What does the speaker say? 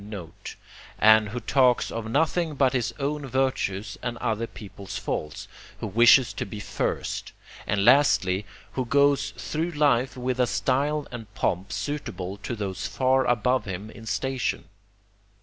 note), who talks of nothing but his own virtues and other people's faults, who wishes to be first; and lastly who goes through life with a style and pomp suitable to those far above him in station.